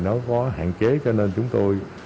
nó có hạn chế cho nên chúng tôi